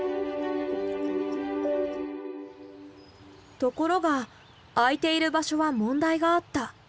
ところが空いている場所は問題があった。